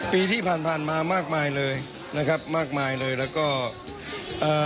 ปีที่ผ่านมามากมายเลยนะครับมากมายเลยแล้วก็เอ่อ